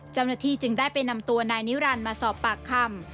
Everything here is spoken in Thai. เจ้าหน้าที่จึงได้ไปนำตัวนายนิรันดิ์มาสอบปากคำ